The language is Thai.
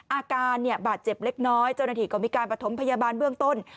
อาการเนี่ยบาดเจ็บเล็กน้อยเจ้าหน้าที่ก็มีการประถมพยาบาลเบื้องต้น